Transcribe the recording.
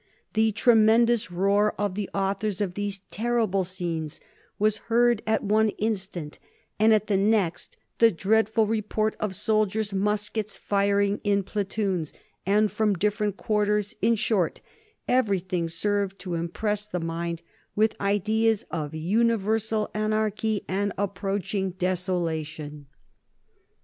The tremendous roar of the authors of these terrible scenes was heard at one instant, and at the next the dreadful report of soldiers' musquets, firing in platoons and from different quarters; in short, everything served to impress the mind with ideas of universal anarchy and approaching desolation."